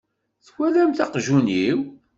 Twalamt aqjun-iw?